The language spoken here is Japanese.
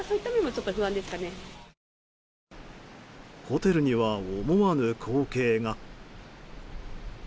ホテルには思わぬ光景が。